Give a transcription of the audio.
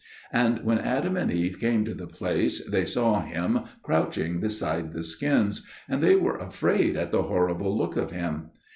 And when Adam and Eve came to the place, they saw him crouching beside the skins; and they were afraid at the horrible look of him.